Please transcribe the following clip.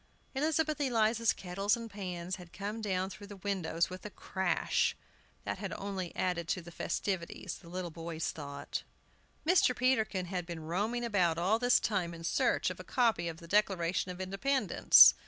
Elizabeth Eliza's kettles and pans had come down through the windows with a crash, that had only added to the festivities, the little boys thought. Mr. Peterkin had been roaming about all this time in search of a copy of the Declaration of Independence.